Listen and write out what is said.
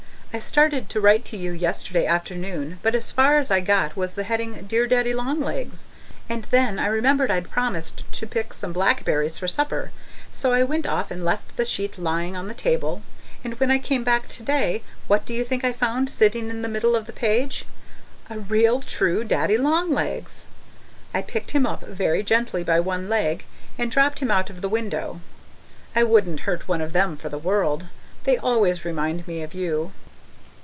I started to write to you yesterday afternoon, but as far as I got was the heading, 'Dear Daddy Long Legs', and then I remembered I'd promised to pick some blackberries for supper, so I went off and left the sheet lying on the table, and when I came back today, what do you think I found sitting in the middle of the page? A real true Daddy Long Legs! I picked him up very gently by one leg, and dropped him out of the window. I wouldn't hurt one of them for the world. They always remind me of you.